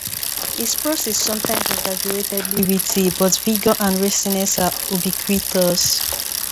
His prose is sometimes exaggeratedly witty, but vigor and raciness are ubiquitous.